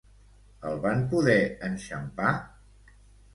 El van poder enxampar?